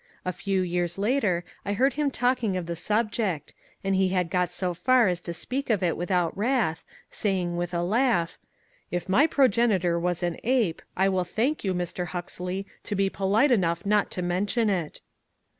A few years later I heard him talking of the subject, and he had got so far as to speak of it without wrath, saying with a laugh, ^^ If my pro genitor was an ape, I will thuik you, Mr. Huxley, to be polite enough not to mention it